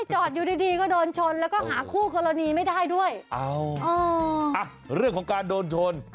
จอดอยู่ดีดีก็โดนชนแล้วก็หาคู่กรณีไม่ได้ด้วยอ้าวอ๋ออ่ะเรื่องของการโดนชน